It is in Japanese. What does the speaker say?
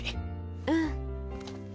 うん。